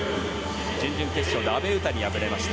準々決勝で阿部詩に敗れました。